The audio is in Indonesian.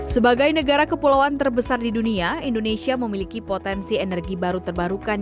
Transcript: sebagai negara kepulauan terbesar di dunia indonesia memiliki potensi energi baru terbarukan